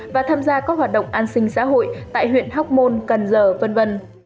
và tham gia các hoạt động an sinh xã hội tại huyện hóc môn cần giờ v v